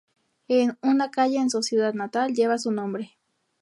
Una calle en su ciudad natal lleva su nombre.